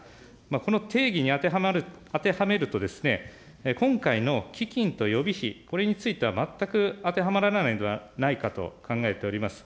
この定義に当てはめるとですね、今回の基金と予備費、これについては全く当てはまらないのではないかと考えております。